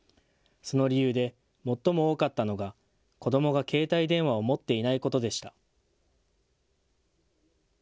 その理由で最も多かったのが子どもが携帯電話を持っていないことでした。